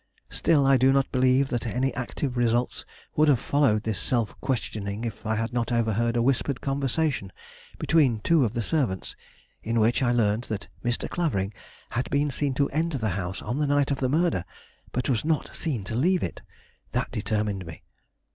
Still I do not believe that any active results would have followed this self questioning if I had not overheard a whispered conversation between two of the servants, in which I learned that Mr. Clavering had been seen to enter the house on the night of the murder, but was not seen to leave it. That determined me.